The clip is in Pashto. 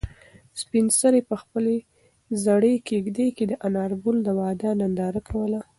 سپین سرې په خپلې زړې کيږدۍ کې د انارګل د واده ننداره کوله.